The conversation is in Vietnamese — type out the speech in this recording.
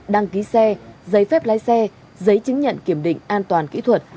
đăng ký xe giấy phép lái xe giấy chứng nhận kiểm định an toàn kỹ thuật